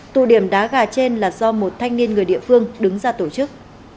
tụ điểm đá gà trên là do một thanh niên người địa phương đứng ra tổ chức